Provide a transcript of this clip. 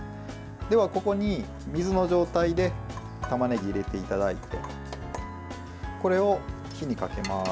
では、ここに水の状態でたまねぎ入れていただいてこれを火にかけます。